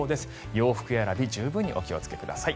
洋服選び十分にお気をつけください。